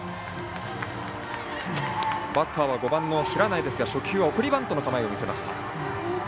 バッターは５番、平内ですが初球は送りバントの構えでした。